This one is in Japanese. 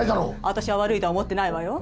私は悪いとは思ってないわよ。